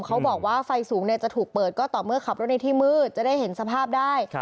เขาบอกว่าไฟสูงจะถูกเปิดก็ต่อเมื่อขับรถในที่มืดจะได้เห็นสภาพได้